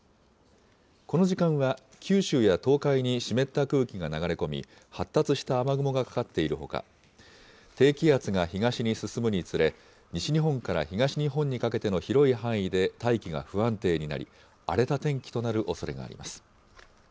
この時間は、九州や東海に湿った空気が流れ込み、発達した雨雲がかかっているほか、低気圧が東に進むにつれ、西日本から東日本にかけての広い範囲で大気が不安定になり、荒れた天気となるおそれがあります。